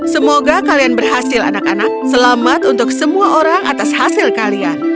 semoga kalian berhasil anak anak selamat untuk semua orang atas hasil kalian